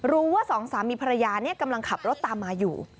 รู้ว่าสองสามีภรรยากำลังขับรถตามมาอยู่